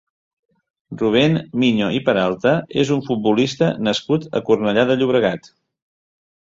Rubén Miño i Peralta és un futbolista nascut a Cornellà de Llobregat.